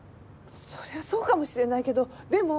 それはそうかもしれないけどでも。